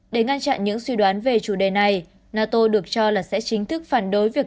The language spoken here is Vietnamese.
để ngăn chặn những suy đoán về chủ đề này nato được cho là sẽ chính thức phản đối việc